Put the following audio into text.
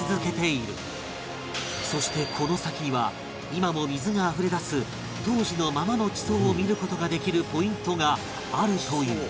そしてこの先には今も水があふれ出す当時のままの地層を見る事ができるポイントがあるという